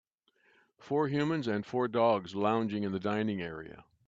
Four humans and four dogs lounging in the dining area.